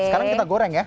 sekarang kita goreng ya